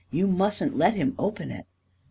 You mustn't let him open it !